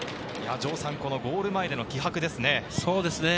城さん、このゴール前での気迫ですね。